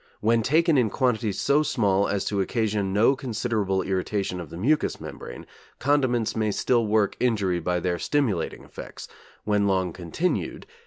When taken in quantities so small as to occasion no considerable irritation of the mucous membrane, condiments may still work injury by their stimulating effects, when long continued....